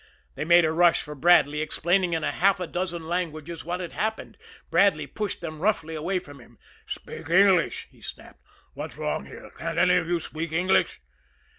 They made a rush for Bradley, explaining in half a dozen languages what had happened. Bradley pushed them roughly away from him. "Speak English!" he snapped. "What's wrong here? Can't any of you speak English?"